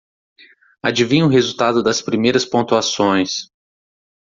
Adivinha o resultado das primeiras pontuações.